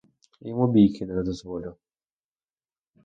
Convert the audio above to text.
І йому бійки не дозволю.